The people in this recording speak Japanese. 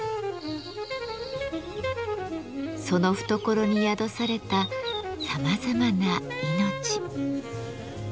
その懐に宿されたさまざまな命。